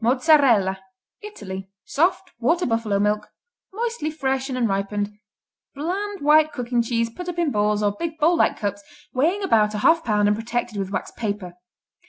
Mozzarella Italy Soft; water buffalo milk; moistly fresh and unripened; bland, white cooking cheese put up in balls or big bowl like cups weighing about a half pound and protected with wax paper.